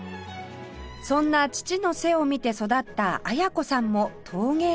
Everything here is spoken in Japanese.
そんな父の背を見て育った理子さんも陶芸の道へ